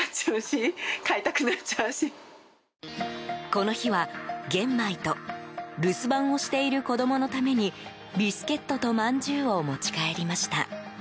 この日は、玄米と留守番をしている子供のためにビスケットと、まんじゅうを持ち帰りました。